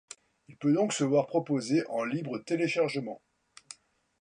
Il peut donc se voir proposé en libre téléchargement.